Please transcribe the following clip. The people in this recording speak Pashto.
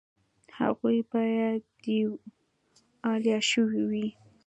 هغوی باید دیوالیه شوي وي